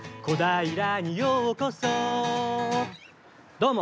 どうも！